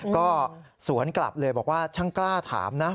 ก็สวนกลับเลยบอกว่าช่างกล้าถามนะ